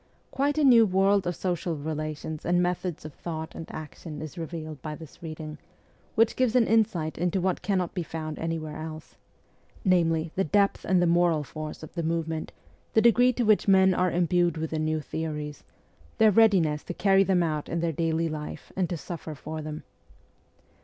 Quite a new world of social relations and methods of thought and action is revealed by this reading, which gives an insight into what cannot be found anywhere else namely, the depth and the moral force of the movement, the degree to which men are imbued with the new theories, their readiness to carry them out in their daily life and to suffer for them.